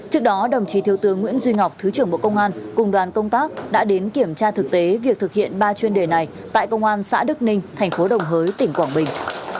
trước đó đồng chí thiếu tướng nguyễn duy ngọc thứ trưởng bộ công an cùng đoàn công tác đã đến kiểm tra thực tế việc thực hiện ba chuyên đề này tại công an xã đức ninh thành phố đồng hới tỉnh quảng bình